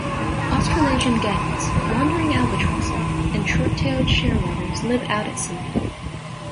Australasian gannets, wandering albatrosses and short-tailed shearwaters live out at sea.